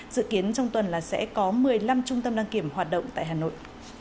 dự kiến trong tuần là sẽ có một mươi năm trung tâm đăng kiểm hoạt động tại hà nội